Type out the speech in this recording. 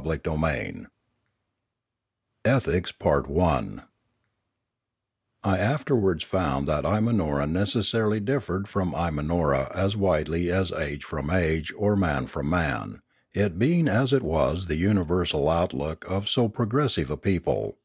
CHAPTER XI ETHICS I AFTERWARDS found that Imanora necessarily differed from Imanora as widely as age from age or man from man, it being as it was the universal outlook of so progressive a people.